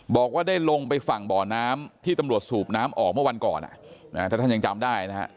บอกว่าได้ลงไปฝั่งบ่อน้ำที่ตำรวจสูบน้ำออกเมื่อวันก่อนถ้าท่านยังจำได้นะฮะ